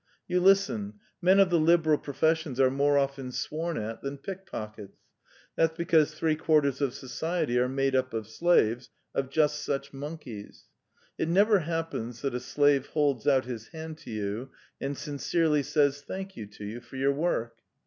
You listen: men of the liberal professions are more often sworn at than pickpockets that's because three quarters of society are made up of slaves, of just such monkeys. It never happens that a slave holds out his hand to you and sincerely says 'Thank you' to you for your work."